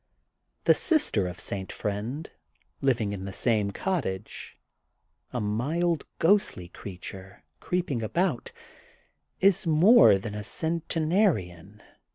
The sister of St. Friend, living in the same cottage, a mild, ghostly creature, creeping about, is more than a centenarian.